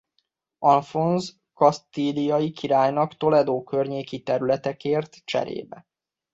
Alfonz kasztíliai királynak Toledo környéki területekért cserébe.